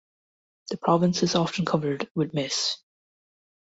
The province is often covered with mist.